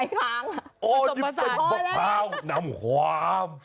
ก็นี่เป็นบาคพร้าวนำหวาม